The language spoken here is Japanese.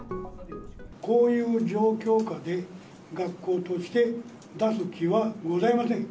こういう状況下で学校として出す気はございません。